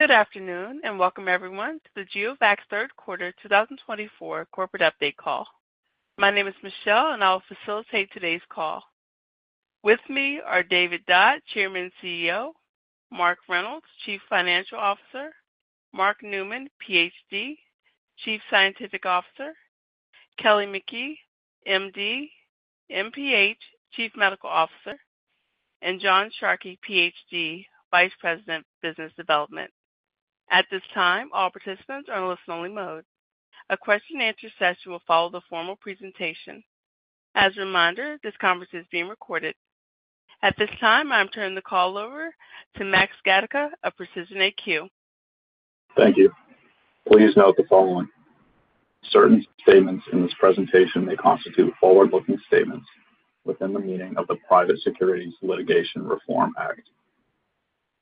Good afternoon and welcome, everyone, to the GeoVax Q3 2024 Corporate Update Call. My name is Michelle, and I will facilitate today's call. With me are David Dodd, Chairman and CEO, Mark Reynolds, Chief Financial Officer, Mark Newman, Ph.D., Chief Scientific Officer, Kelly McKee, M.D., M.P.H., Chief Medical Officer, and John Sharkey, Ph.D., Vice President of Business Development. At this time, all participants are in listen-only mode. A question-and-answer session will follow the formal presentation. As a reminder, this conference is being recorded. At this time, I'm turning the call over to Max Gatica of Precision AQ. Thank you. Please note the following: certain statements in this presentation may constitute forward-looking statements within the meaning of the Private Securities Litigation Reform Act.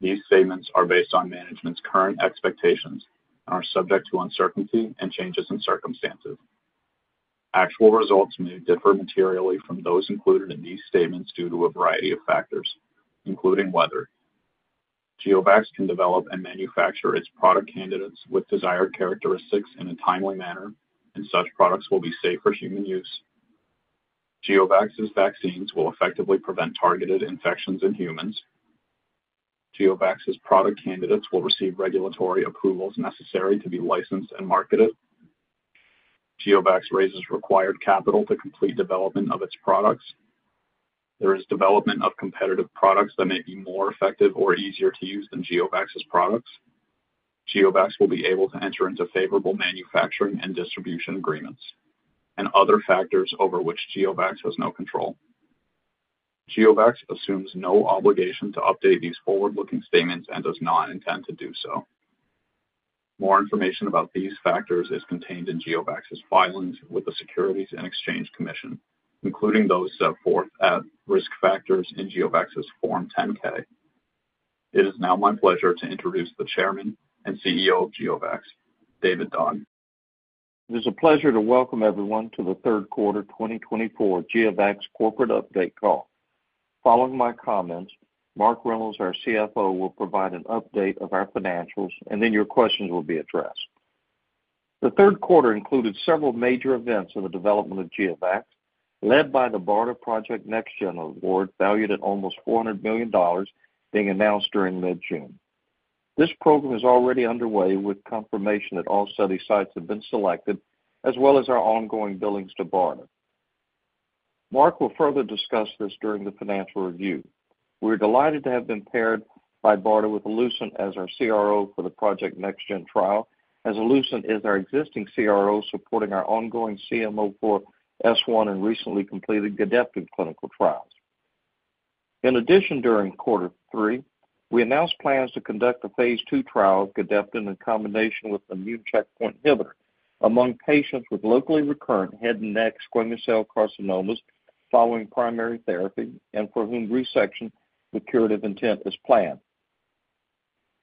These statements are based on management's current expectations and are subject to uncertainty and changes in circumstances. Actual results may differ materially from those included in these statements due to a variety of factors, including whether GeoVax can develop and manufacture its product candidates with desired characteristics in a timely manner, and such products will be safe for human use. GeoVax's vaccines will effectively prevent targeted infections in humans. GeoVax's product candidates will receive regulatory approvals necessary to be licensed and marketed. GeoVax raises required capital to complete development of its products. There is development of competitive products that may be more effective or easier to use than GeoVax's products. GeoVax will be able to enter into favorable manufacturing and distribution agreements, and other factors over which GeoVax has no control. GeoVax assumes no obligation to update these forward-looking statements and does not intend to do so. More information about these factors is contained in GeoVax's filings with the Securities and Exchange Commission, including those set forth at Risk Factors in GeoVax's Form 10-K. It is now my pleasure to introduce the Chairman and CEO of GeoVax, David Dodd. It is a pleasure to welcome everyone to the Q3 2024 GeoVax Corporate Update Call. Following my comments, Mark Reynolds, our CFO, will provide an update of our financials, and then your questions will be addressed. The Q3 included several major events in the development of GeoVax, led by the BARDA Project NextGen Award, valued at almost $400 million, being announced during mid-June. This program is already underway, with confirmation that all study sites have been selected, as well as our ongoing billings to BARDA. Mark will further discuss this during the financial review. We are delighted to have been paired by BARDA with Allucent as our CRO for the Project NextGen trial, as Allucent is our existing CRO supporting our ongoing GEO-CM04S1 and recently completed Gedeptin clinical trials. In addition, during Q3, we announced plans to conduct a phase II trial of Gedeptin in combination with immune checkpoint inhibitor among patients with locally recurrent head and neck squamous cell carcinomas following primary therapy and for whom resection with curative intent is planned.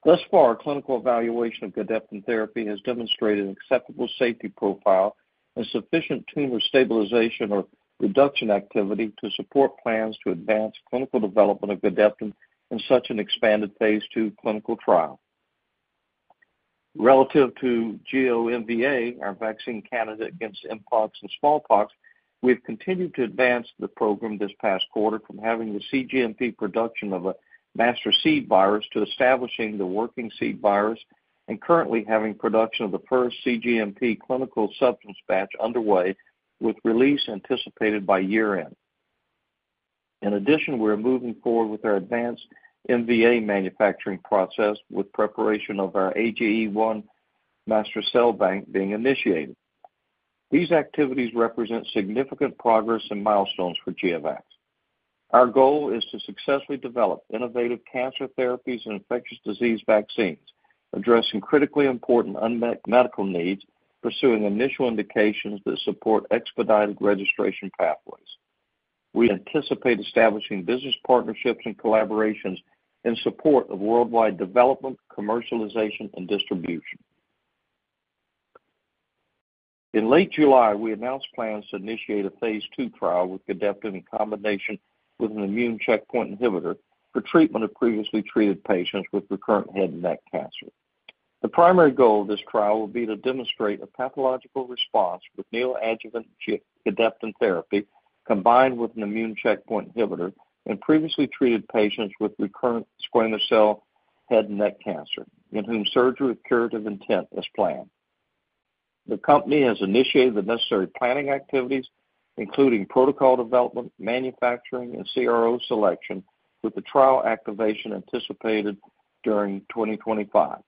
Thus far, clinical evaluation of Gedeptin therapy has demonstrated an acceptable safety profile and sufficient tumor stabilization or reduction activity to support plans to advance clinical development of Gedeptin in such an expanded phase II clinical trial. Relative to GEO-MVA, our vaccine candidate against mpox and smallpox, we have continued to advance the program this past quarter from having the cGMP production of a master seed virus to establishing the working seed virus and currently having production of the first cGMP clinical substance batch underway, with release anticipated by year-end. In addition, we are moving forward with our advanced MVA manufacturing process, with preparation of our AGE1 master cell bank being initiated. These activities represent significant progress and milestones for GeoVax. Our goal is to successfully develop innovative cancer therapies and infectious disease vaccines, addressing critically important unmet medical needs, pursuing initial indications that support expedited registration pathways. We anticipate establishing business partnerships and collaborations in support of worldwide development, commercialization, and distribution. In late July, we announced plans to initiate a phase II trial with Gedeptin in combination with an immune checkpoint inhibitor for treatment of previously treated patients with recurrent head and neck cancer. The primary goal of this trial will be to demonstrate a pathological response with neoadjuvant Gedeptin therapy combined with an immune checkpoint inhibitor in previously treated patients with recurrent squamous cell head and neck cancer, in whom surgery with curative intent is planned. The company has initiated the necessary planning activities, including protocol development, manufacturing, and CRO selection, with the trial activation anticipated during 2025.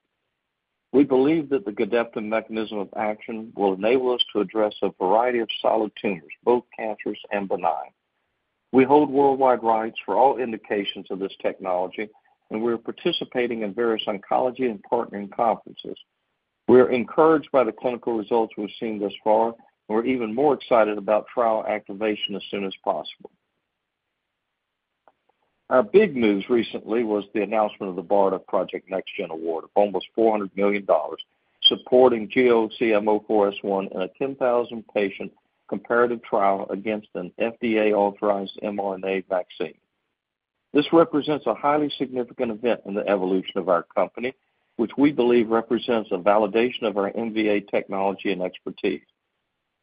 We believe that the Gedeptin mechanism of action will enable us to address a variety of solid tumors, both cancerous and benign. We hold worldwide rights for all indications of this technology, and we are participating in various oncology and partnering conferences. We are encouraged by the clinical results we've seen thus far, and we're even more excited about trial activation as soon as possible. Our big news recently was the announcement of the BARDA Project NextGen Award of almost $400 million supporting GEO-CM04S1 in a 10,000-patient comparative trial against an FDA-authorized mRNA vaccine. This represents a highly significant event in the evolution of our company, which we believe represents a validation of our MVA technology and expertise.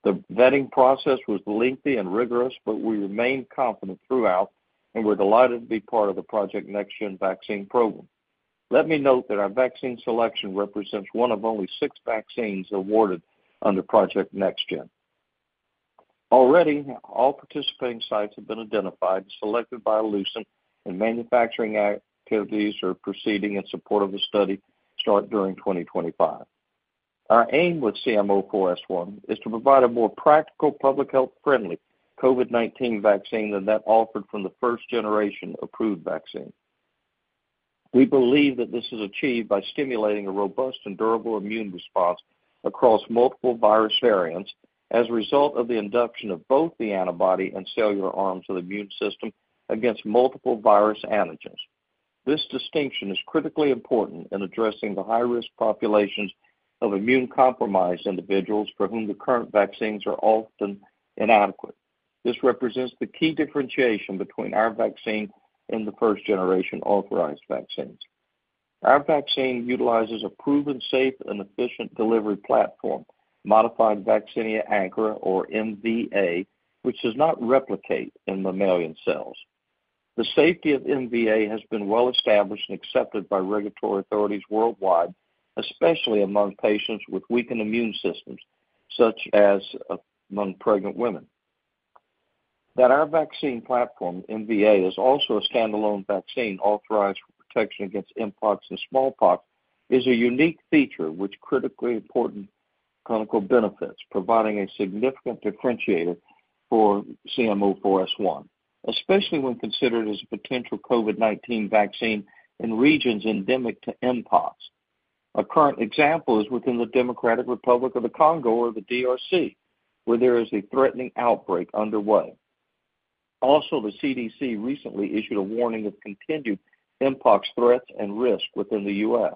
The vetting process was lengthy and rigorous, but we remained confident throughout, and we're delighted to be part of the Project NextGen vaccine program. Let me note that our vaccine selection represents one of only six vaccines awarded under Project NextGen. Already, all participating sites have been identified, selected by Allucent, and manufacturing activities are proceeding in support of the study start during 2025. Our aim with GEO-CM04S1 is to provide a more practical, public health-friendly COVID-19 vaccine than that offered from the first-generation approved vaccine. We believe that this is achieved by stimulating a robust and durable immune response across multiple virus variants as a result of the induction of both the antibody and cellular arms of the immune system against multiple virus antigens. This distinction is critically important in addressing the high-risk populations of immune-compromised individuals for whom the current vaccines are often inadequate. This represents the key differentiation between our vaccine and the first-generation authorized vaccines. Our vaccine utilizes a proven safe and efficient delivery platform, Modified Vaccinia Ankara, or MVA, which does not replicate in mammalian cells. The safety of MVA has been well established and accepted by regulatory authorities worldwide, especially among patients with weakened immune systems, such as among pregnant women. That our vaccine platform, MVA, is also a standalone vaccine authorized for protection against mpox and smallpox is a unique feature with critically important clinical benefits, providing a significant differentiator for GEO-CM04S1, especially when considered as a potential COVID-19 vaccine in regions endemic to mpox. A current example is within the Democratic Republic of the Congo, or the DRC, where there is a threatening outbreak underway. Also, the CDC recently issued a warning of continued mpox threats and risk within the U.S.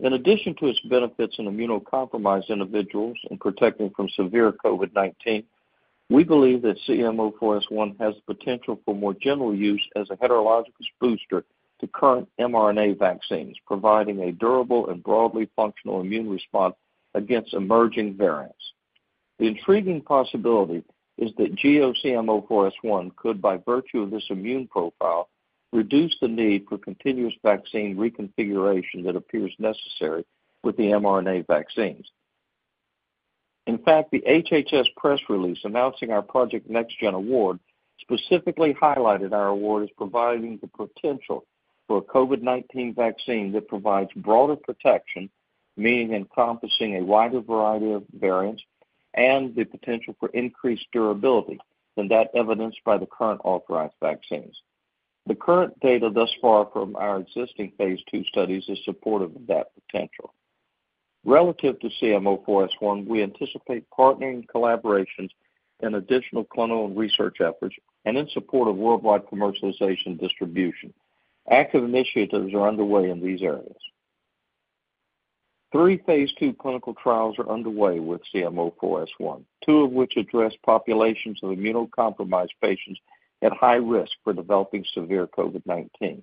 In addition to its benefits in immunocompromised individuals and protecting from severe COVID-19, we believe that GEO-CM04S1 has the potential for more general use as a heterologous booster to current mRNA vaccines, providing a durable and broadly functional immune response against emerging variants. The intriguing possibility is that GeoVax GEO-CM04S1 could, by virtue of this immune profile, reduce the need for continuous vaccine reconfiguration that appears necessary with the mRNA vaccines. In fact, the HHS press release announcing our Project NextGen Award specifically highlighted our award as providing the potential for a COVID-19 vaccine that provides broader protection, meaning encompassing a wider variety of variants, and the potential for increased durability than that evidenced by the current authorized vaccines. The current data thus far from our existing phase II studies is supportive of that potential. Relative to GEO-CM04S1, we anticipate partnering collaborations in additional clinical and research efforts and in support of worldwide commercialization and distribution. Active initiatives are underway in these areas. Three phase II clinical trials are underway with GEO-CM04S1, two of which address populations of immunocompromised patients at high risk for developing severe COVID-19.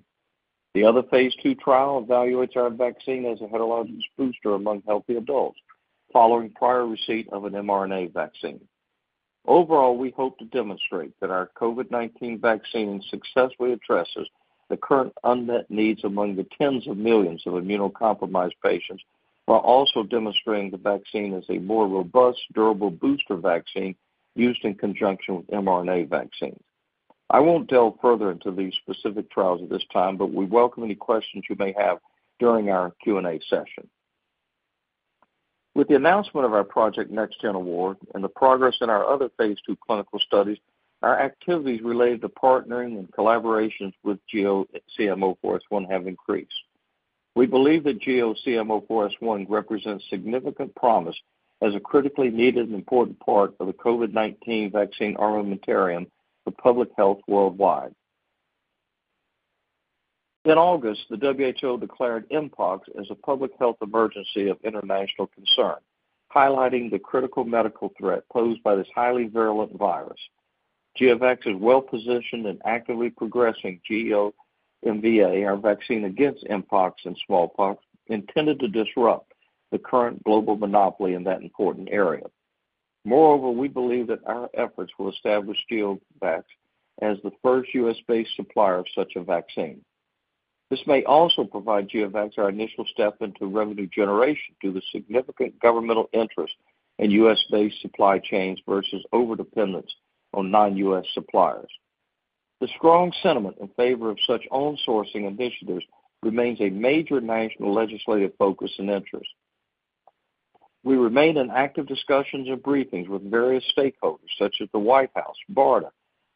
The other phase II trial evaluates our vaccine as a heterologous booster among healthy adults following prior receipt of an mRNA vaccine. Overall, we hope to demonstrate that our COVID-19 vaccine successfully addresses the current unmet needs among the tens of millions of immunocompromised patients while also demonstrating the vaccine as a more robust, durable booster vaccine used in conjunction with mRNA vaccines. I won't delve further into these specific trials at this time, but we welcome any questions you may have during our Q&A session. With the announcement of our Project NextGen Award and the progress in our other phase II clinical studies, our activities related to partnering and collaborations with GEO-CM04S1 have increased. We believe that GEO-CM04S1 represents significant promise as a critically needed and important part of the COVID-19 vaccine armamentarium for public health worldwide. In August, the WHO declared mpox as a public health emergency of international concern, highlighting the critical medical threat posed by this highly virulent virus. GeoVax is well-positioned and actively progressing GEO-MVA, our vaccine against mpox and smallpox, intended to disrupt the current global monopoly in that important area. Moreover, we believe that our efforts will establish GeoVax as the first U.S.-based supplier of such a vaccine. This may also provide GeoVax our initial step into revenue generation due to the significant governmental interest in U.S.-based supply chains versus overdependence on non-U.S. suppliers. The strong sentiment in favor of such onshoring initiatives remains a major national legislative focus and interest. We remain in active discussions and briefings with various stakeholders, such as the White House, BARDA,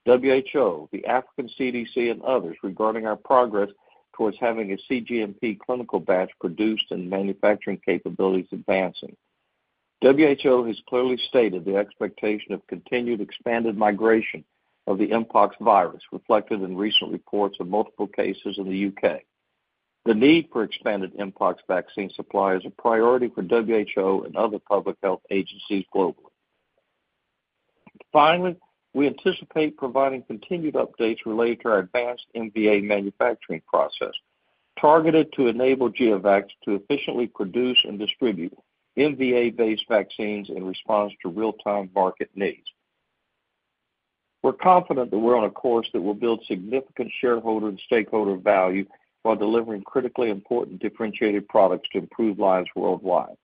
WHO, the African CDC, and others, regarding our progress towards having a cGMP clinical batch produced and manufacturing capabilities advancing. WHO has clearly stated the expectation of continued expanded migration of the mpox virus, reflected in recent reports of multiple cases in the U.K. The need for expanded mpox vaccine supply is a priority for WHO and other public health agencies globally. Finally, we anticipate providing continued updates related to our advanced MVA manufacturing process, targeted to enable GeoVax to efficiently produce and distribute MVA-based vaccines in response to real-time market needs. We're confident that we're on a course that will build significant shareholder and stakeholder value while delivering critically important differentiated products to improve lives worldwide.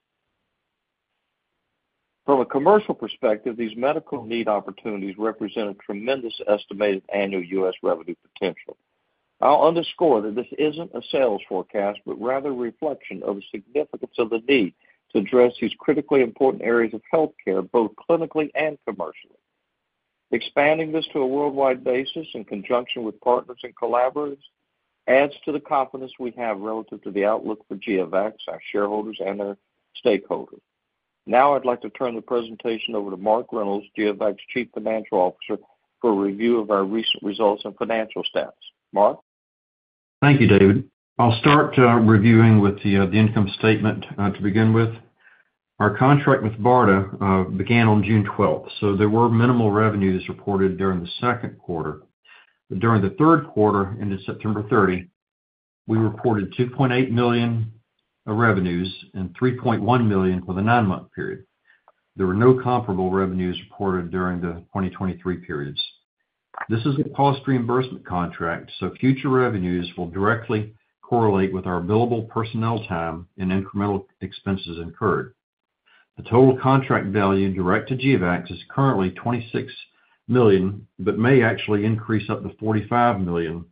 From a commercial perspective, these medical need opportunities represent a tremendous estimated annual U.S. revenue potential. I'll underscore that this isn't a sales forecast, but rather a reflection of the significance of the need to address these critically important areas of healthcare, both clinically and commercially. Expanding this to a worldwide basis in conjunction with partners and collaborators adds to the confidence we have relative to the outlook for GeoVax, our shareholders, and our stakeholders. Now, I'd like to turn the presentation over to Mark Reynolds, GeoVax Chief Financial Officer, for a review of our recent results and financial status. Mark. Thank you, David. I'll start reviewing with the income statement to begin with. Our contract with BARDA began on June 12th, so there were minimal revenues reported during the second quarter. During the third quarter, ended September 30, we reported $2.8 million of revenues and $3.1 million for the nine-month period. There were no comparable revenues reported during the 2023 periods. This is a cost reimbursement contract, so future revenues will directly correlate with our billable personnel time and incremental expenses incurred. The total contract value direct to GeoVax is currently $26 million, but may actually increase up to $45 million,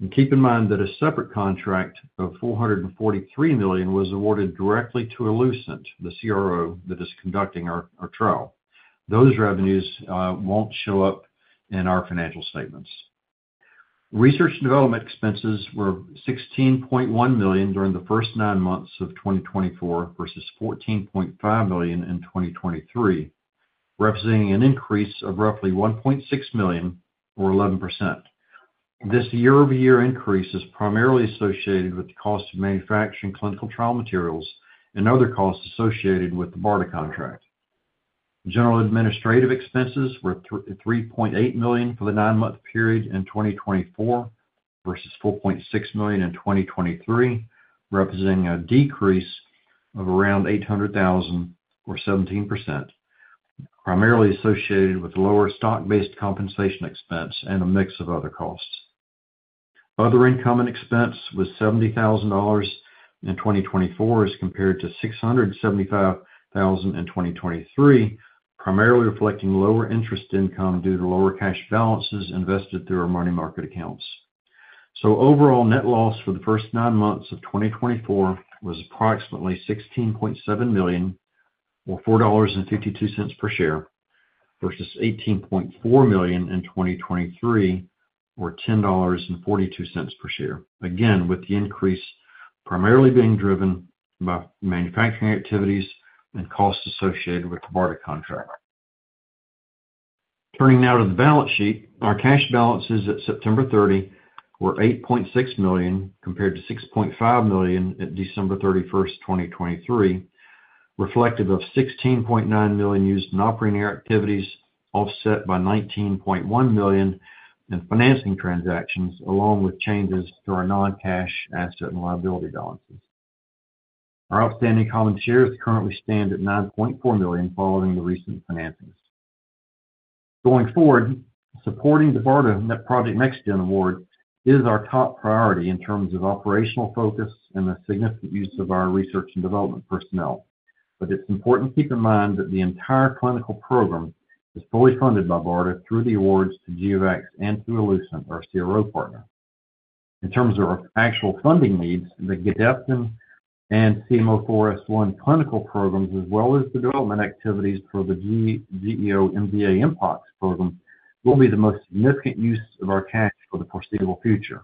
and keep in mind that a separate contract of $443 million was awarded directly to Allucent, the CRO that is conducting our trial. Those revenues won't show up in our financial statements. Research and development expenses were $16.1 million during the first nine months of 2024 versus $14.5 million in 2023, representing an increase of roughly $1.6 million, or 11%. This year-over-year increase is primarily associated with the cost of manufacturing clinical trial materials and other costs associated with the BARDA contract. General administrative expenses were $3.8 million for the nine-month period in 2024 versus $4.6 million in 2023, representing a decrease of around $800,000, or 17%, primarily associated with lower stock-based compensation expense and a mix of other costs. Other income and expense was $70,000 in 2024 as compared to $675,000 in 2023, primarily reflecting lower interest income due to lower cash balances invested through our money market accounts. So overall net loss for the first nine months of 2024 was approximately $16.7 million, or $4.52 per share, versus $18.4 million in 2023, or $10.42 per share. Again, with the increase primarily being driven by manufacturing activities and costs associated with the BARDA contract. Turning now to the balance sheet, our cash balances at September 30 were $8.6 million compared to $6.5 million at December 31st, 2023, reflective of $16.9 million used in operating activities, offset by $19.1 million in financing transactions, along with changes to our non-cash asset and liability balances. Our outstanding common shares currently stand at $9.4 million following the recent financings. Going forward, supporting the BARDA Project NextGen Award is our top priority in terms of operational focus and the significant use of our research and development personnel. But it's important to keep in mind that the entire clinical program is fully funded by BARDA through the awards to GeoVax and through Allucent, our CRO partner. In terms of our actual funding needs, the Gedeptin and GEO-CM04S1 clinical programs, as well as the development activities for the GEO-MVA mpox program, will be the most significant use of our cash for the foreseeable future.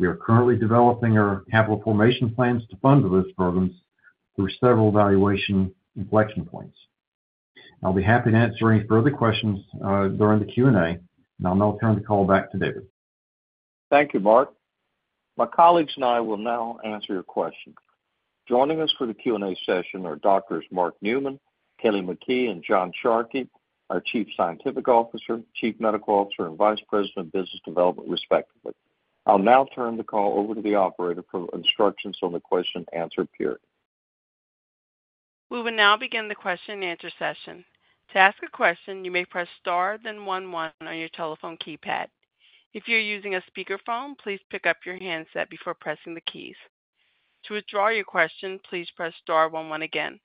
We are currently developing our capital formation plans to fund those programs through several evaluation inflection points. I'll be happy to answer any further questions during the Q&A, and I'll now turn the call back to David. Thank you, Mark. My colleagues and I will now answer your questions. Joining us for the Q&A session are Doctors Mark Newman, Kelly McKee, and John Sharkey, our Chief Scientific Officer, Chief Medical Officer, and Vice President of Business Development, respectively. I'll now turn the call over to the operator for instructions on the question-and-answer period. We will now begin the question-and-answer session. To ask a question, you may press Star then One One on your telephone keypad. If you're using a speakerphone, please pick up your handset before pressing the keys. To withdraw your question, please press Star One One again.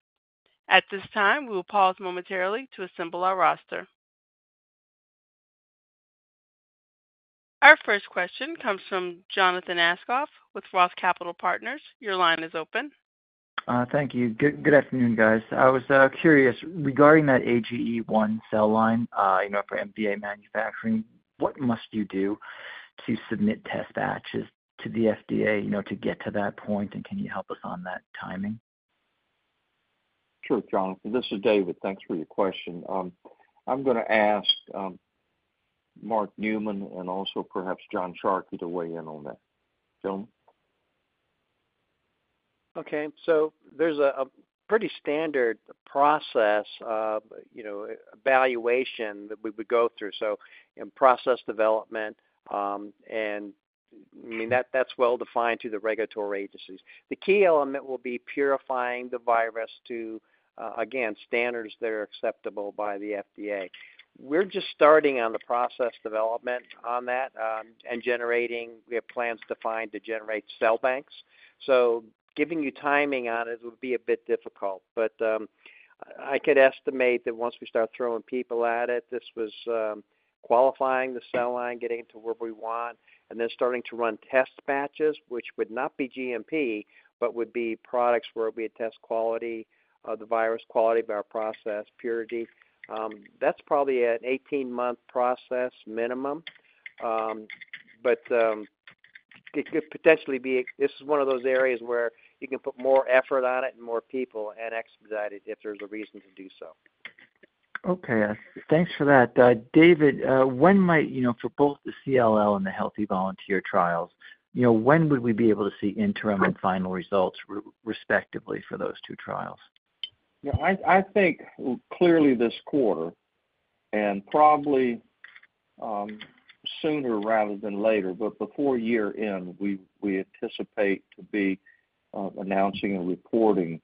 At this time, we will pause momentarily to assemble our roster. Our first question comes from Jonathan Aschoff with Roth Capital Partners. Your line is open. Thank you. Good afternoon, guys. I was curious regarding that AGE1 cell line, you know, for MVA manufacturing. What must you do to submit test batches to the FDA, you know, to get to that point? And can you help us on that timing? Sure, Jonathan. This is David. Thanks for your question. I'm going to ask Mark Newman and also perhaps John Sharkey to weigh in on that. John? Okay. So there's a pretty standard process, you know, evaluation that we would go through. So in process development, and I mean, that's well-defined to the regulatory agencies. The key element will be purifying the virus to, again, standards that are acceptable by the FDA. We're just starting on the process development on that and generating. We have plans to find time to generate cell banks. So giving you timing on it would be a bit difficult. But I could estimate that once we start throwing people at it, that is qualifying the cell line, getting it to where we want, and then starting to run test batches, which would not be GMP, but would be products where it would be to test the quality of the virus, quality of our process, purity. That's probably an 18-month process minimum. But it could potentially be. This is one of those areas where you can put more effort on it and more people and expedite it if there's a reason to do so. Okay. Thanks for that. David, when might, you know, for both the CLL and the healthy volunteer trials, you know, when would we be able to see interim and final results, respectively, for those two trials? Yeah. I think clearly this quarter and probably sooner rather than later. But before year-end, we anticipate to be announcing and reporting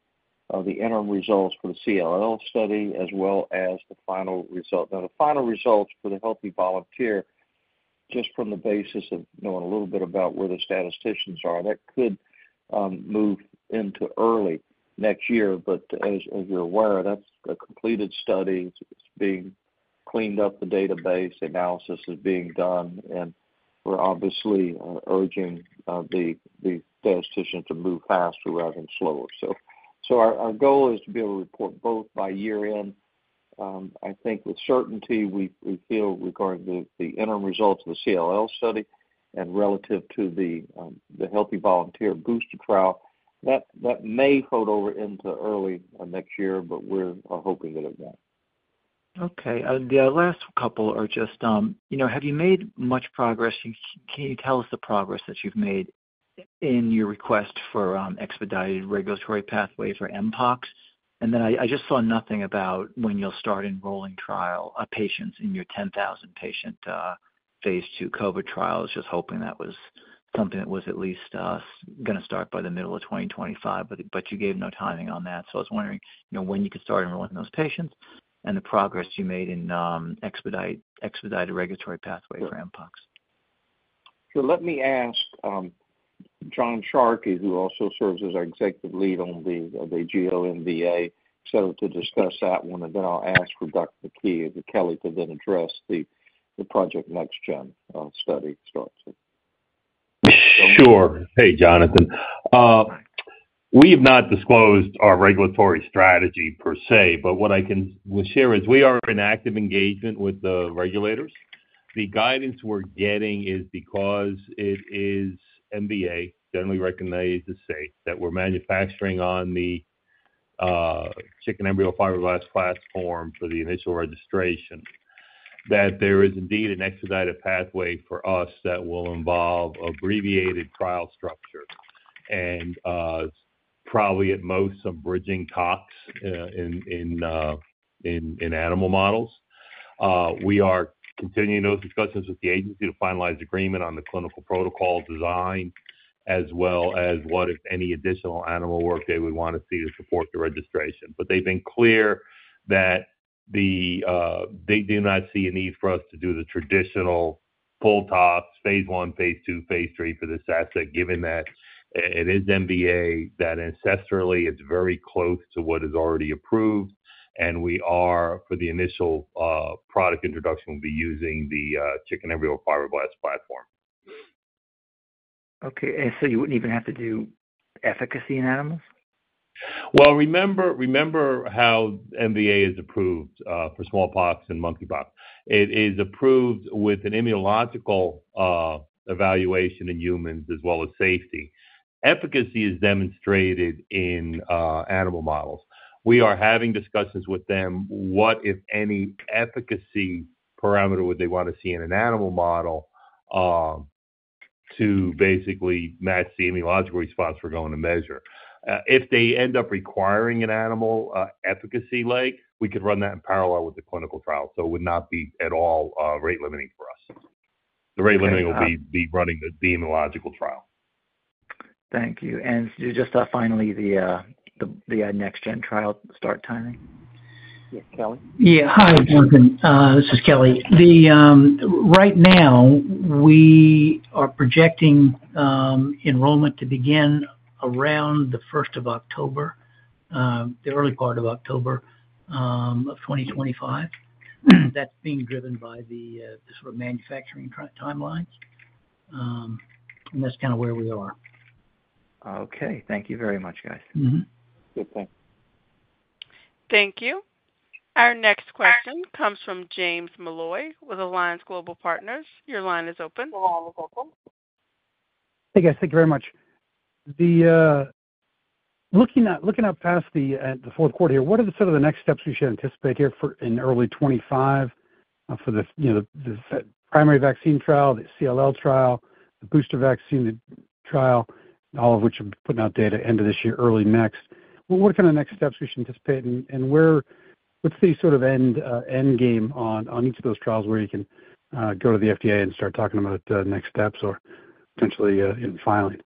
the interim results for the CLL study as well as the final result. Now, the final results for the healthy volunteer, just from the basis of knowing a little bit about where the statisticians are, that could move into early next year. But as you're aware, that's a completed study. It's being cleaned up, the database analysis is being done. We're obviously urging the statisticians to move faster rather than slower. Our goal is to be able to report both by year-end. I think with certainty, we feel regarding the interim results of the CLL study and relative to the healthy volunteer booster trial, that may fold over into early next year, but we're hoping that it won't. Okay. The last couple are just, you know, have you made much progress? Can you tell us the progress that you've made in your request for expedited regulatory pathways for mpox? Then I just saw nothing about when you'll start enrolling patients in your 10,000-patient phase II COVID trials. Just hoping that was something that was at least going to start by the middle of 2025. You gave no timing on that. I was wondering, you know, when you could start enrolling those patients and the progress you made in expedited regulatory pathway for mpox. So let me ask John Sharkey, who also serves as our executive lead on the GEO-MVA, etc., to discuss that one. And then I'll ask for Dr. McKee, Kelly to then address the Project NextGen study start. Sure. Hey, Jonathan. We have not disclosed our regulatory strategy per se. But what I can share is we are in active engagement with the regulators. The guidance we're getting is because it is MVA, generally recognized as safe, that we're manufacturing on the chicken embryo fibroblast platform for the initial registration, that there is indeed an expedited pathway for us that will involve abbreviated trial structure and probably at most some bridging tox in animal models. We are continuing those discussions with the agency to finalize agreement on the clinical protocol design, as well as what, if any, additional animal work they would want to see to support the registration. But they've been clear that they do not see a need for us to do the traditional full phase I, phase II, phase three for this asset, given that it is MVA, that ancestrally, it's very close to what is already approved. And we are, for the initial product introduction, will be using the chicken embryo fibroblast platform. Okay. And so you wouldn't even have to do efficacy in animals? Well, remember how MVA is approved for smallpox and monkeypox. It is approved with an immunological evaluation in humans as well as safety. Efficacy is demonstrated in animal models. We are having discussions with them what, if any, efficacy parameter would they want to see in an animal model to basically match the immunological response we're going to measure. If they end up requiring an animal efficacy leg, we could run that in parallel with the clinical trial. So it would not be at all rate limiting for us. The rate limiting will be running the immunological trial. Thank you. And just finally, the NextGen trial start timing? Yes. Kelly? Yeah. Hi, Jonathan. This is Kelly. Right now, we are projecting enrollment to begin around the 1st of October, the early part of October of 2025. That's being driven by the sort of manufacturing timelines. And that's kind of where we are. Okay. Thank you very much, guys. Good thing. Thank you. Our next question comes from James Molloy with Alliance Global Partners. Your line is open. The line is open. Hey, guys. Thank you very much. Looking out past the fourth quarter here, what are the sort of the next steps we should anticipate here in early 2025 for the primary vaccine trial, the CLL trial, the booster vaccine trial, all of which are putting out data end of this year, early next? What kind of next steps we should anticipate? And what's the sort of end game on each of those trials where you can go to the FDA and start talking about next steps or potentially in filing?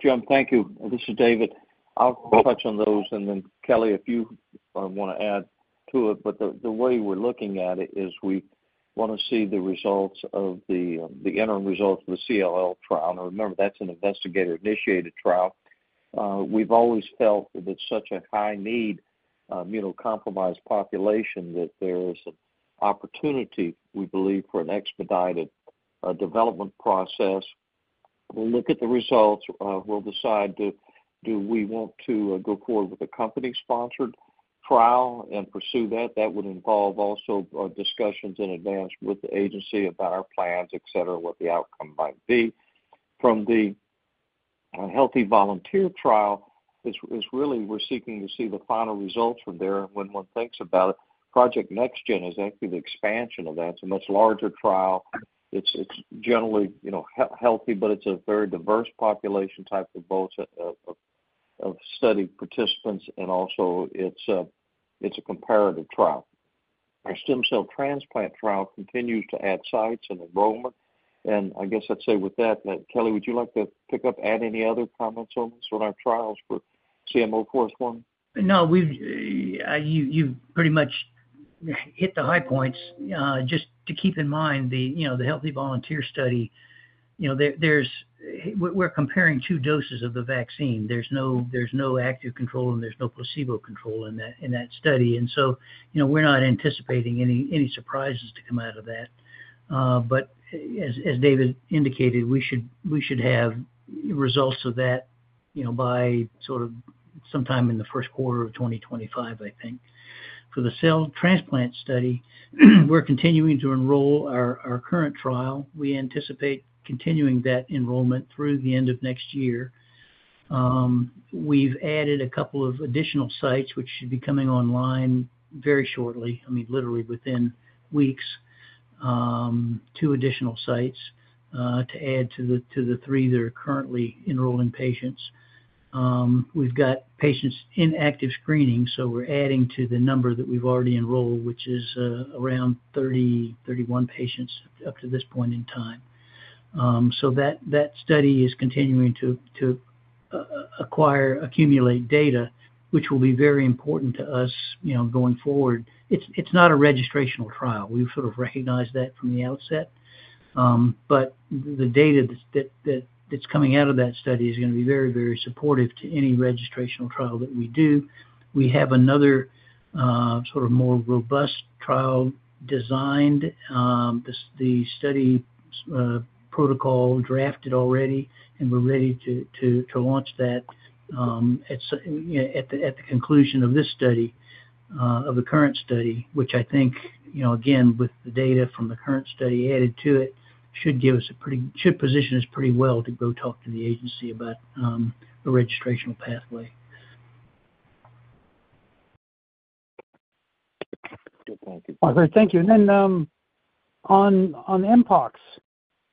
Jim thank you. This is David. I'll touch on those. And then Kelly, if you want to add to it. But the way we're looking at it is we want to see the results of the interim results of the CLL trial. And remember, that's an investigator-initiated trial. We've always felt that it's such a high-need immunocompromised population that there is an opportunity, we believe, for an expedited development process. We'll look at the results. We'll decide do we want to go forward with a company-sponsored trial and pursue that. That would involve also discussions in advance with the agency about our plans, etc., what the outcome might be. From the healthy volunteer trial, it's really we're seeking to see the final results from there, and when one thinks about it, Project NextGen is actually the expansion of that. It's a much larger trial. It's generally, you know, healthy, but it's a very diverse population type of both of study participants, and also, it's a comparative trial. Our stem cell transplant trial continues to add sites and enrollment. I guess I'd say with that, Kelly, would you like to pick up, add any other comments on some of our trials for GEO-CM04S1? No. You've pretty much hit the high points. Just to keep in mind, the, you know, the healthy volunteer study, you know, we're comparing two doses of the vaccine. There's no active control and there's no placebo control in that study. And so, you know, we're not anticipating any surprises to come out of that. But as David indicated, we should have results of that, you know, by sort of sometime in the first quarter of 2025, I think. For the cell transplant study, we're continuing to enroll our current trial. We anticipate continuing that enrollment through the end of next year. We've added a couple of additional sites, which should be coming online very shortly, I mean, literally within weeks, two additional sites to add to the three that are currently enrolling patients. We've got patients in active screening. So we're adding to the number that we've already enrolled, which is around 30, 31 patients up to this point in time. So that study is continuing to acquire, accumulate data, which will be very important to us, you know, going forward. It's not a registrational trial. We've sort of recognized that from the outset. But the data that's coming out of that study is going to be very, very supportive to any registrational trial that we do. We have another sort of more robust trial designed. The study protocol drafted already. And we're ready to launch that at the conclusion of this study, of the current study, which I think, you know, again, with the data from the current study added to it, should position us pretty well to go talk to the agency about a registrational pathway. Good. Thank you. All right. Thank you. And then on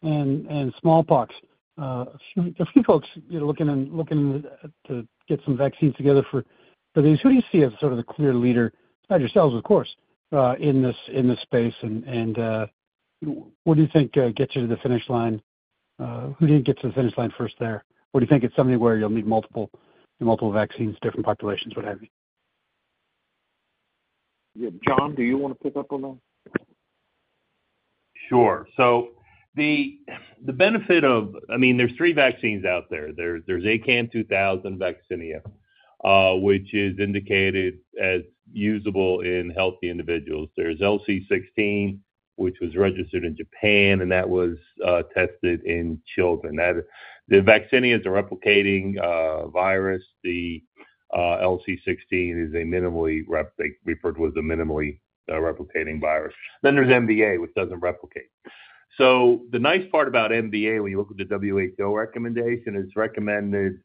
mpox and smallpox, a few folks looking to get some vaccines together for these, who do you see as sort of the clear leader, not yourselves, of course, in this space? And what do you think gets you to the finish line? Who didn't get to the finish line first there? Or do you think it's something where you'll need multiple vaccines, different populations, what have you? Yeah. John, do you want to pick up on that? Sure. So, the benefit of—I mean, there are three vaccines out there. There is ACAM2000 vaccine, which is indicated as usable in healthy individuals. There is LC16, which was registered in Japan. And that was tested in children. The vaccine is a replicating virus. The LC16 is a minimally replicating virus. Then there is MVA, which does not replicate. The nice part about MVA, when you look at the WHO recommendation, it is recommended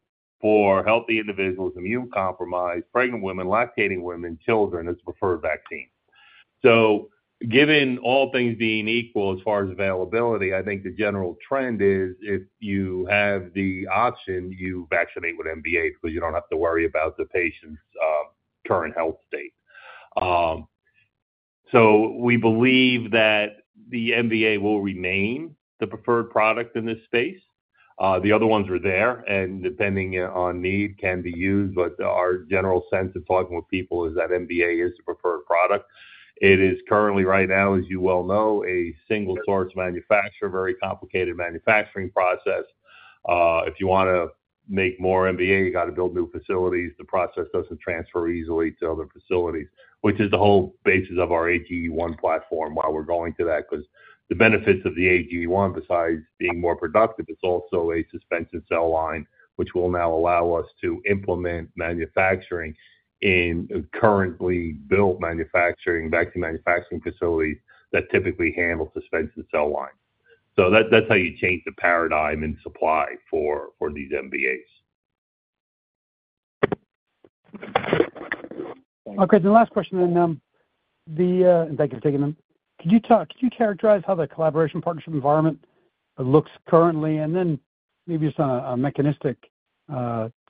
for healthy individuals, immunocompromised, pregnant women, lactating women, children, as a preferred vaccine. Given all things being equal as far as availability, I think the general trend is if you have the option, you vaccinate with MVA because you do not have to worry about the patient's current health state. We believe that the MVA will remain the preferred product in this space. The other ones are there. And depending on need, can be used. But our general sense of talking with people is that MVA is the preferred product. It is currently, right now, as you well know, a single-source manufacturer, very complicated manufacturing process. If you want to make more MVA, you got to build new facilities. The process doesn't transfer easily to other facilities, which is the whole basis of our AGE1 platform, why we're going to that. Because the benefits of the AGE1, besides being more productive, it's also a suspension cell line, which will now allow us to implement manufacturing in currently built manufacturing, vaccine manufacturing facilities that typically handle suspension cell lines. So that's how you change the paradigm in supply for these MVAs. Okay. The last question. And thank you for taking them. Could you characterize how the collaboration partnership environment looks currently? Then maybe just on a mechanistic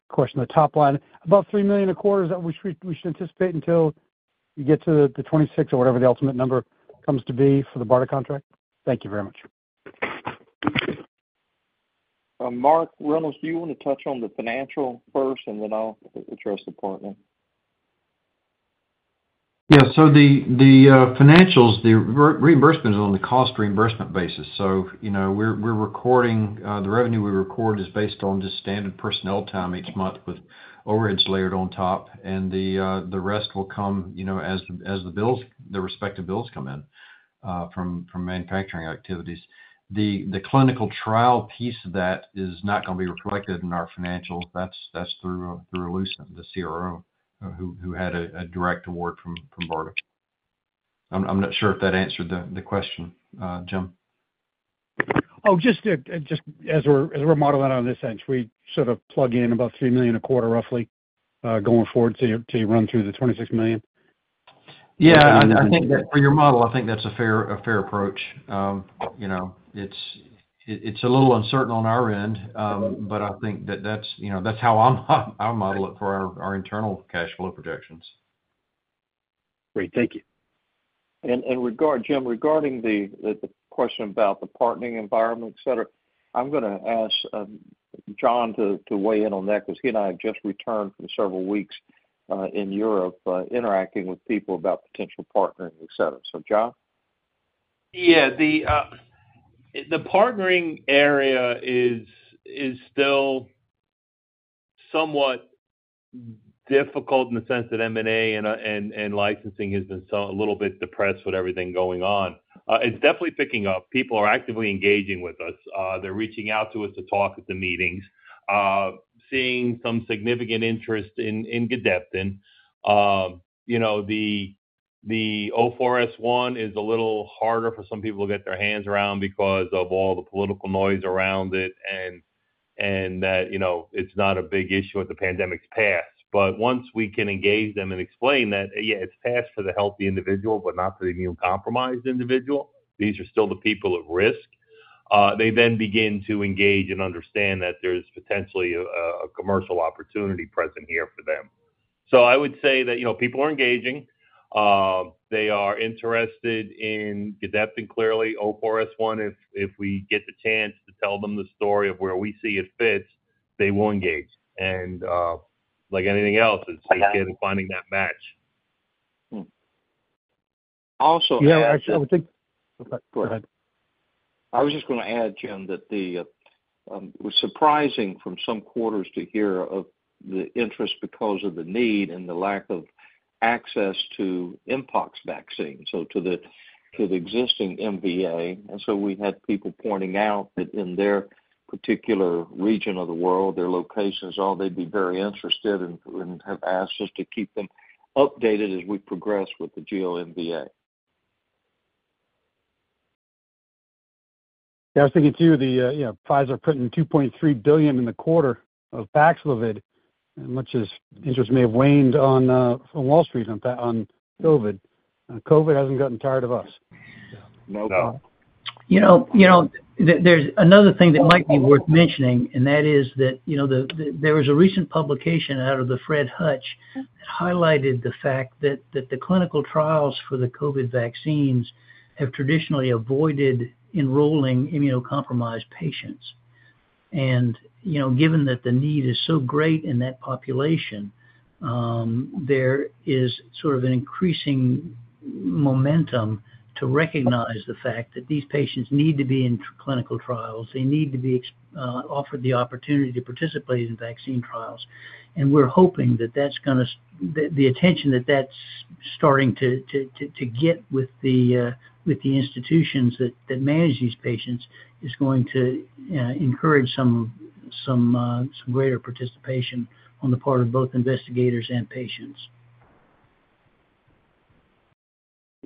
question, the top line, about $3 million a quarter, which we should anticipate until you get to the 26th or whatever the ultimate number comes to be for the BARDA contract? Thank youvery much. Mark Reynolds, do you want to touch on the financial first, and then I'll address the partner? Yeah. So the financials, the reimbursement is on the cost reimbursement basis. So, you know, we're recording the revenue we record is based on just standard personnel time each month with overheads layered on top. And the rest will come, you know, as the bills, the respective bills come in from manufacturing activities. The clinical trial piece of that is not going to be reflected in our financials. That's through Allucent, the CRO, who had a direct award from BARDA. I'm not sure if that answered the question, Jim. Oh, just as we're modeling on this end, should we sort of plug in about $3 million a quarter, roughly, going forward to run through the $26 million? Yeah. I think that for your model, I think that's a fair approach. You know, it's a little uncertain on our end. But I think that that's, you know, that's how I model it for our internal cash flow projections. Great. Thankyou. And regarding, Jim, the question about the partnering environment, etc., I'm going to ask John to weigh in on that because he and I have just returned from several weeks in Europe interacting with people about potential partnering, etc. So, John? Yeah. The partnering area is still somewhat difficult in the sense that M&A and licensing has been a little bit depressed with everything going on. It's definitely picking up. People are actively engaging with us. They're reaching out to us to talk at the meetings, seeing some significant interest in Gedeptin. You know, the 04S1 is a little harder for some people to get their hands around because of all the political noise around it and that, you know, it's not a big issue if the pandemic's passed. But once we can engage them and explain that, yeah, it's passed for the healthy individual, but not for the immune-compromised individual. These are still the people at risk. They then begin to engage and understand that there's potentially a commercial opportunity present here for them. So I would say that, you know, people are engaging. They are interested in Gedeptin clearly, 04S1. If we get the chance to tell them the story of where we see it fits, they will engage. And like anything else, it's a good finding that match. Also, I would think. Okay. Go ahead. I was just going to add, Jim, that it was surprising from some quarters to hear of the interest because of the need and the lack of access to mpox vaccine, so to the existing MVA, and so we had people pointing out that in their particular region of the world, their locations, they'd be very interested and have asked us to keep them updated as we progress with the GEO-MVA. Yeah. I was thinking too, the Pfizer putting $2.3 billion in the quarter of Paxlovid, much as interest may have waned on Wall Street on COVID. COVID hasn't gotten tired of us. Yeah. No problem. You know, there's another thing that might be worth mentioning. And that is that, you know, there was a recent publication out of the Fred Hutch that highlighted the fact that the clinical trials for the COVID vaccines have traditionally avoided enrolling immunocompromised patients. And, you know, given that the need is so great in that population, there is sort of an increasing momentum to recognize the fact that these patients need to be in clinical trials. They need to be offered the opportunity to participate in vaccine trials. And we're hoping that that's going to get the attention that that's starting to get with the institutions that manage these patients is going to encourage some greater participation on the part of both investigators and patients.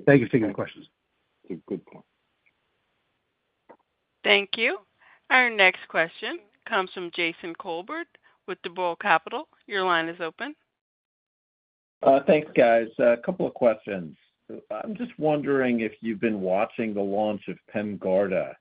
Thank you for taking the questions. That's a good point. Thank you. Our next question comes from Jason Kolbert with D. Boral Capital. Your line is open. Thanks, guys. A couple of questions. I'm just wondering if you've been watching the launch of Pemgarda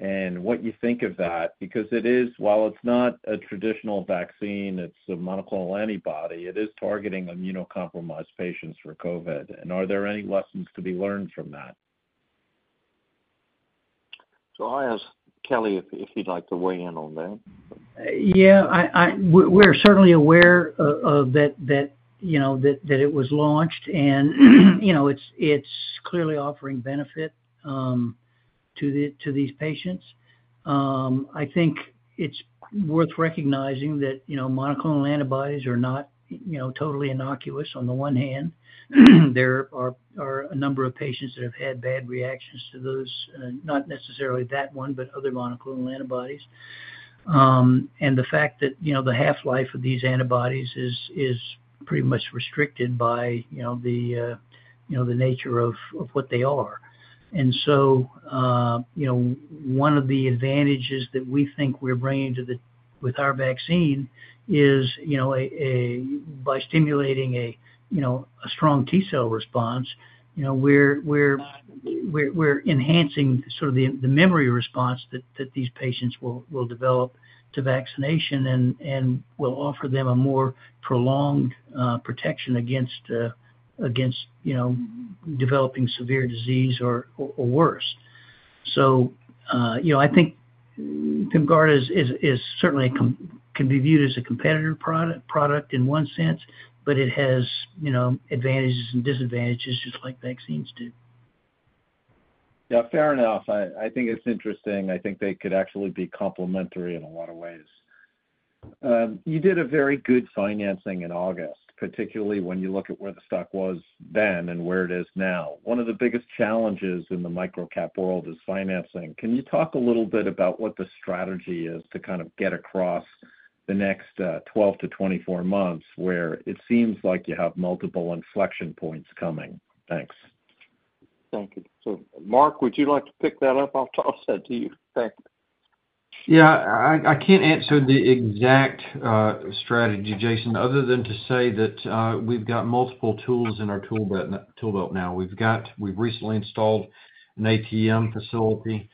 and what you think of that. Because it is, while it's not a traditional vaccine, it's a monoclonal antibody, it is targeting immunocompromised patients for COVID. And are there any lessons to be learned from that? So I asked Kelly if he'd like to weigh in on that. Yeah. We're certainly aware of that, you know, that it was launched. And, you know, it's clearly offering benefit to these patients. I think it's worth recognizing that, you know, monoclonal antibodies are not, you know, totally innocuous on the one hand. There are a number of patients that have had bad reactions to those, not necessarily that one, but other monoclonal antibodies. And the fact that, you know, the half-life of these antibodies is pretty much restricted by, you know, the nature of what they are. And so, you know, one of the advantages that we think we're bringing to the table with our vaccine is, you know, by stimulating a, you know, a strong T-cell response, you know, we're enhancing sort of the memory response that these patients will develop to vaccination and will offer them a more prolonged protection against, you know, developing severe disease or worse. So, you know, I think Pemgarda can certainly be viewed as a competitive product in one sense. But it has, you know, advantages and disadvantages just like vaccines do. Yeah. Fair enough. I think it's interesting. I think they could actually be complementary in a lot of ways. You did a very good financing in August, particularly when you look at where the stock was then and where it is now. One of the biggest challenges in the microcap world is financing. Can you talk a little bit about what the strategy is to kind of get across the next 12 to 24 months where it seems like you have multiple inflection points coming? Thanks. Thank you. So, Mark, would you like to pick that up? I'll toss that to you. Thanks. Yeah. I can't answer the exact strategy, Jason, other than to say that we've got multiple tools in our tool belt now. We've recently installed an ATM facility.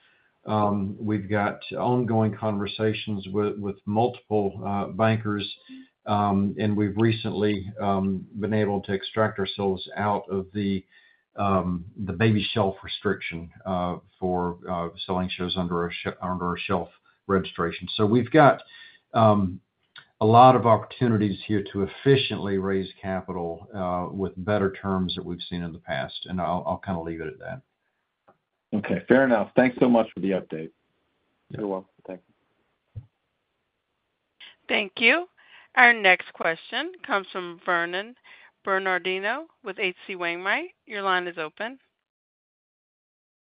We've got ongoing conversations with multiple bankers. And we've recently been able to extract ourselves out of the baby shelf restriction for selling shares under a shelf registration. So we've got a lot of opportunities here to efficiently raise capital with better terms that we've seen in the past. And I'll kind of leave it at that. Okay. Fair enough. Thanks so much for the update. You're welcome. Thank you. Thank you. Our next question comes from Vernon Bernardino with H.C. Wainwright. Your line is open.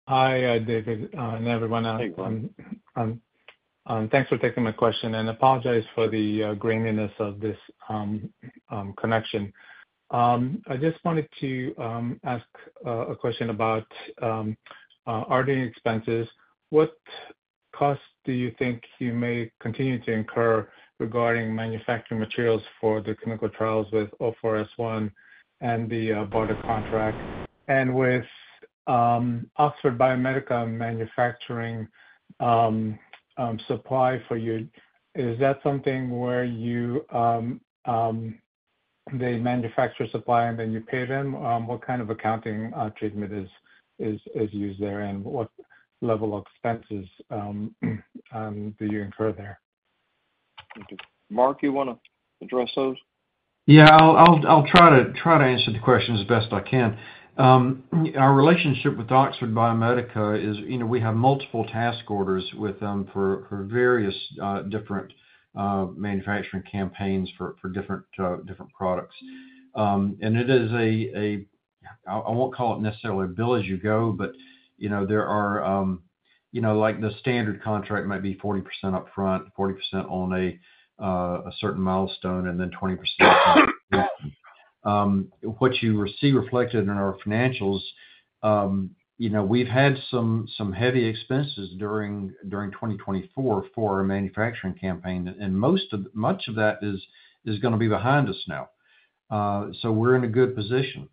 Hi, David, and everyone. Thanks for taking my question. I apologize for the graininess of this connection. I just wanted to ask a question about R&D expenses. What costs do you think you may continue to incur regarding manufacturing materials for the clinical trials with 04S1 and the BARDA contract? And with Oxford Biomedica manufacturing supply for you, is that something where they manufacture supply and then you pay them? What kind of accounting treatment is used there? And what level of expenses do you incur there? Thank you. Mark, you want to address those? Yeah. I'll try to answer the questions as best I can. Our relationship with Oxford Biomedica is, you know, we have multiple task orders with them for various different manufacturing campaigns for different products. It is a. I won't call it necessarily a bill as you go, but you know, there are you know like the standard contract might be 40% upfront, 40% on a certain milestone, and then 20% upfront. What you see reflected in our financials, you know, we've had some heavy expenses during 2024 for our manufacturing campaign. Much of that is going to be behind us now. We're in a good position.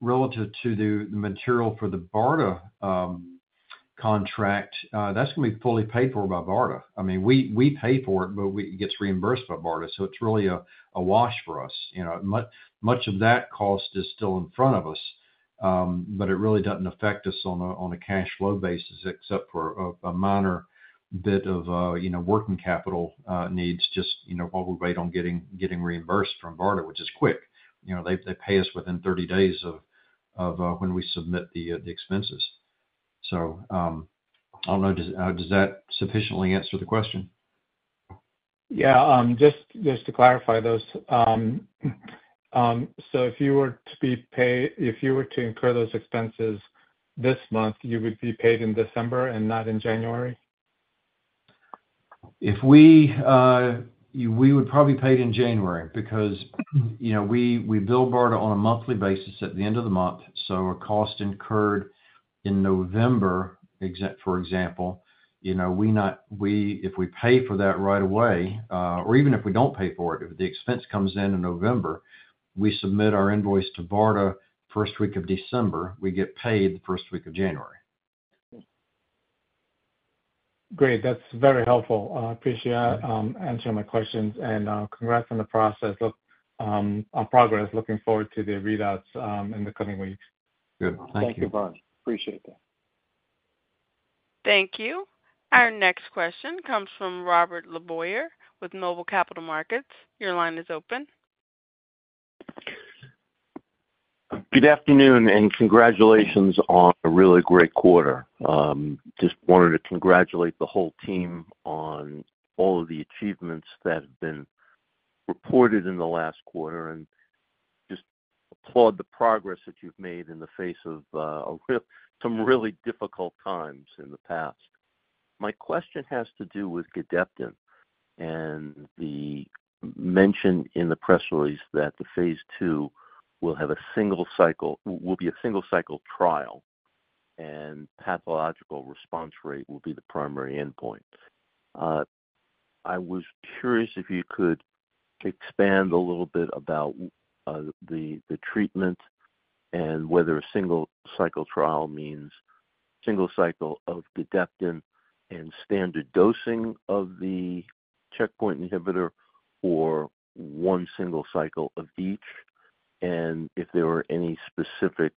Relative to the material for the BARDA contract, that's going to be fully paid for by BARDA. I mean, we pay for it, but it gets reimbursed by BARDA. It's really a wash for us. You know, much of that cost is still in front of us. But it really doesn't affect us on a cash flow basis, except for a minor bit of, you know, working capital needs, just, you know, while we wait on getting reimbursed from BARDA, which is quick. You know, they pay us within 30 days of when we submit the expenses. So I don't know, does that sufficiently answer the question? Yeah. Just to clarify those. So if you were to be paid, if you were to incur those expenses this month, you would be paid in December and not in January? We would probably be paid in January because, you know, we bill BARDA on a monthly basis at the end of the month. So a cost incurred in November, for example, you know, if we pay for that right away, or even if we don't pay for it, if the expense comes in in November, we submit our invoice to BARDA first week of December. We get paid the first week of January. Great. That's very helpful. I appreciate answering my questions. And congrats on the progress. Looking forward to the readouts in the coming weeks. Good. Thank you. Thank you, Vernon. Appreciate that. Thank you. Our next question comes from Robert LeBoyer with Noble Capital Markets. Your line is open. Good afternoon. And congratulations on a really great quarter. Just wanted to congratulate the whole team on all of the achievements that have been reported in the last quarter. And just applaud the progress that you've made in the face of some really difficult times in the past. My question has to do with Gedeptin and the mention in the press release that the phase II will have a single cycle, will be a single cycle trial, and pathological response rate will be the primary endpoint. I was curious if you could expand a little bit about the treatment and whether a single cycle trial means single cycle of Gedeptin and standard dosing of the checkpoint inhibitor or one single cycle of each, and if there were any specific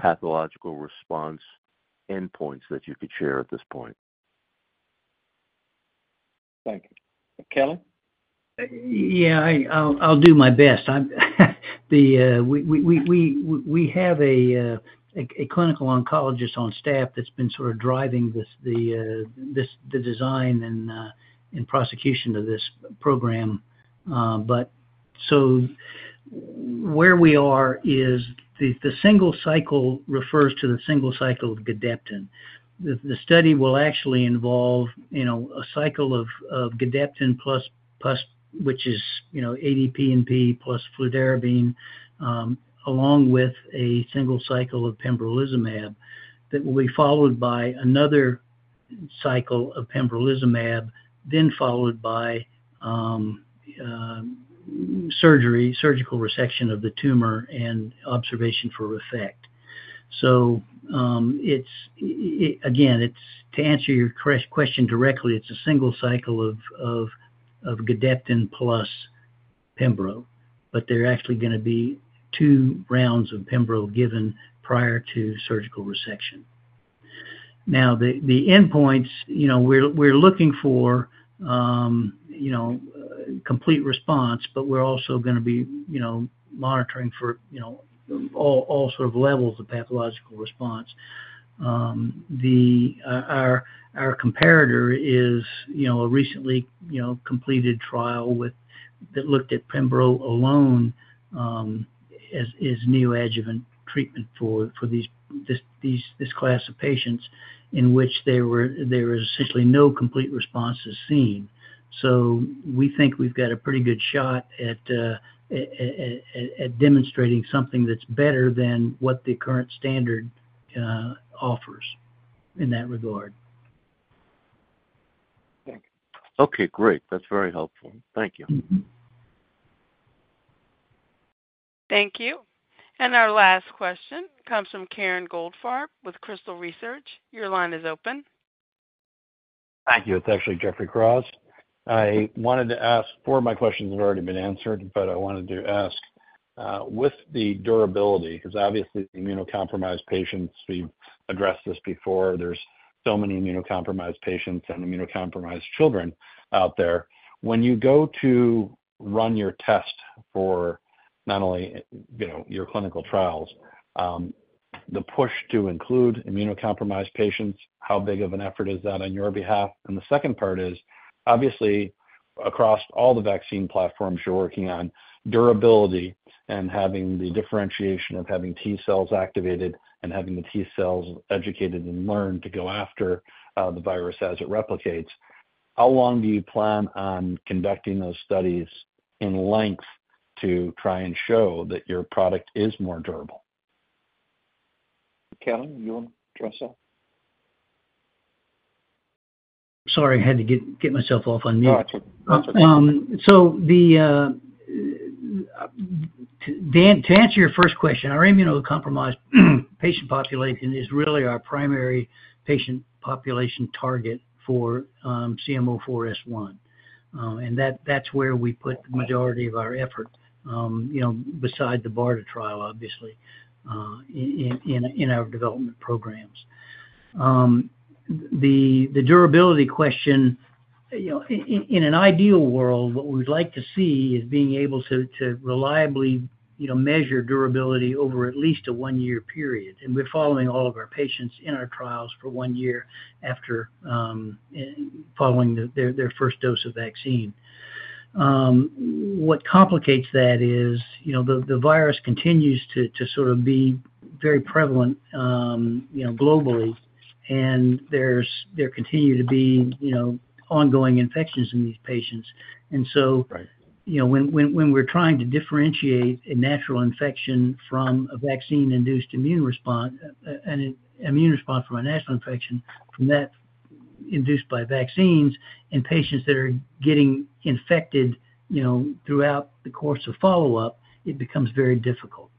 pathological response endpoints that you could share at this point. Thank you. Kelly? Yeah. I'll do my best. We have a clinical oncologist on staff that's been sort of driving the design and prosecution of this program. But so where we are is the single cycle refers to the single cycle of Gedeptin. The study will actually involve, you know, a cycle of Gedeptin plus, which is, you know, Ad/PNP plus Fludarabine, along with a single cycle of Pembrolizumab that will be followed by another cycle of Pembrolizumab, then followed by surgical resection of the tumor and observation for effect. So again, to answer your question directly, it's a single cycle of Gedeptin plus pembro. But there are actually going to be two rounds of pembro given prior to surgical resection. Now, the endpoints, you know, we're looking for, you know, complete response. But we're also going to be, you know, monitoring for, you know, all sort of levels of pathological response. Our comparator is, you know, a recently, you know, completed trial that looked at pembro alone as neoadjuvant treatment for this class of patients in which there was essentially no complete response seen. So we think we've got a pretty good shot at demonstrating something that's better than what the current standard offers in that regard. Thank you. Okay. Great. That's very helpful. Thank you. Thank you. And our last question comes from Karen Goldfarb with Crystal Research. Your line is open. Thank you. It's actually Jeffrey Kraws. I wanted to ask four of my questions have already been answered. But I wanted to ask with the durability, because obviously immunocompromised patients, we've addressed this before. There's so many immunocompromised patients and immunocompromised children out there. When you go to run your test for not only, you know, your clinical trials, the push to include immunocompromised patients, how big of an effort is that on your behalf? And the second part is, obviously, across all the vaccine platforms you're working on, durability and having the differentiation of having T-cells activated and having the T-cells educated and learned to go after the virus as it replicates. How long do you plan on conducting those studies in length to try and show that your product is more durable? Kelly, you want to address that? Sorry, I had to get myself off on mute. So to answer your first question, our immunocompromised patient population is really our primary patient population target for CM04S1. And that's where we put the majority of our effort, you know, besides the BARDA trial, obviously, in our development programs. The durability question, you know, in an ideal world, what we'd like to see is being able to reliably, you know, measure durability over at least a one-year period. We're following all of our patients in our trials for one year after following their first dose of vaccine. What complicates that is, you know, the virus continues to sort of be very prevalent, you know, globally. There continue to be, you know, ongoing infections in these patients. You know, when we're trying to differentiate a natural infection from a vaccine-induced immune response from a natural infection from that induced by vaccines in patients that are getting infected, you know, throughout the course of follow-up, it becomes very difficult.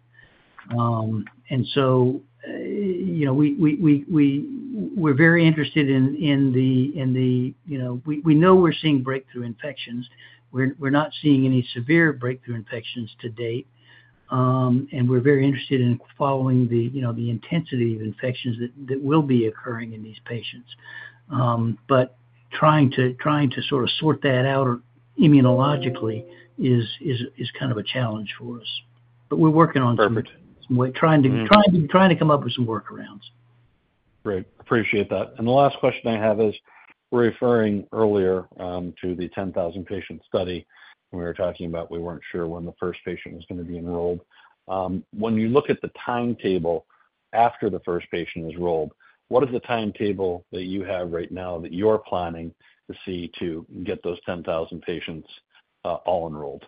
You know, we're very interested in the, you know, we know we're seeing breakthrough infections. We're not seeing any severe breakthrough infections to date. We're very interested in following the, you know, the intensity of infections that will be occurring in these patients. But trying to sort of sort that out immunologically is kind of a challenge for us. But we're working on some way, trying to come up with some workarounds. Great. Appreciate that. And the last question I have is, referring earlier to the 10,000-patient study we were talking about, we weren't sure when the first patient was going to be enrolled. When you look at the timetable after the first patient is enrolled, what is the timetable that you have right now that you're planning to see to get those 10,000 patients all enrolled?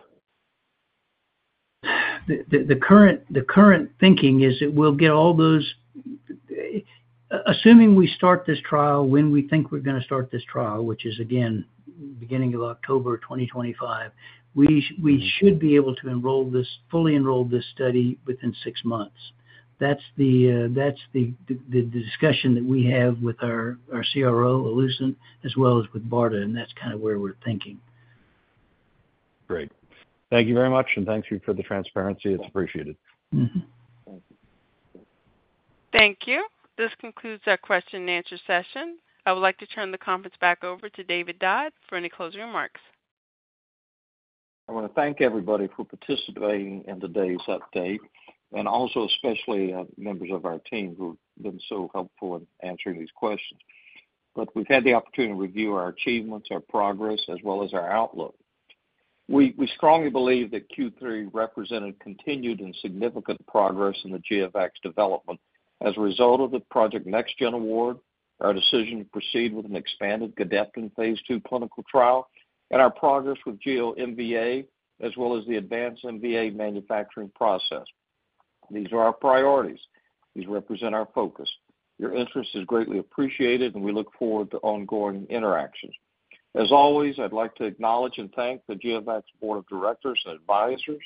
The current thinking is that we'll get all those, assuming we start this trial when we think we're going to start this trial, which is, again, beginning of October 2025, we should be able to enroll this, fully enroll this study within six months. That's the discussion that we have with our CRO, Allucent, as well as with BARDA, and that's kind of where we're thinking. Great. Thank you very much and thanks for the transparency. It's appreciated. Thank you. This concludes our question and answer session. I would like to turn the conference back over to David Dodd for any closing remarks. I want to thank everybody for participating in today's update and also, especially members of our team who have been so helpful in answering these questions, but we've had the opportunity to review our achievements, our progress, as well as our outlook. We strongly believe that Q3 represented continued and significant progress in the GeoVax development as a result of the Project NextGen Award, our decision to proceed with an expanded Gedeptin phase two clinical trial, and our progress with GEO-MVA, as well as the advanced MVA manufacturing process. These are our priorities. These represent our focus. Your interest is greatly appreciated, and we look forward to ongoing interactions. As always, I'd like to acknowledge and thank the GeoVax Board of Directors and Advisors,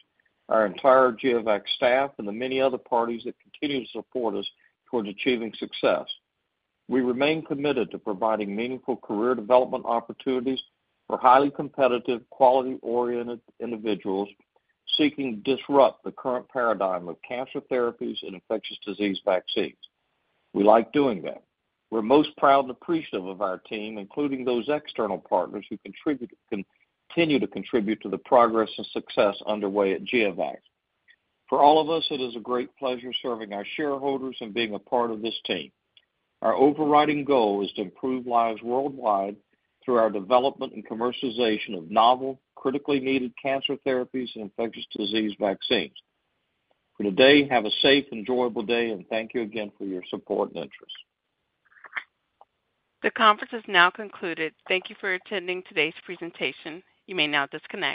our entire GeoVax staff, and the many other parties that continue to support us towards achieving success. We remain committed to providing meaningful career development opportunities for highly competitive, quality-oriented individuals seeking to disrupt the current paradigm of cancer therapies and infectious disease vaccines. We like doing that. We're most proud and appreciative of our team, including those external partners who continue to contribute to the progress and success underway at GeoVax. For all of us, it is a great pleasure serving our shareholders and being a part of this team. Our overriding goal is to improve lives worldwide through our development and commercialization of novel, critically needed cancer therapies and infectious disease vaccines. For today, have a safe, enjoyable day. And thank you again for your support and interest. The conference is now concluded. Thank you for attending today's presentation. You may now disconnect.